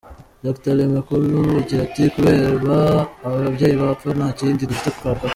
Dr Lemukol agira ati "Kureba aba babyeyi bapfa, nta kindi dufite twakora.